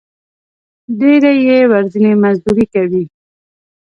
ډېری یې ورځنی مزدوري کوي.